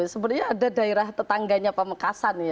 sebenarnya ada daerah tetangganya pemekasan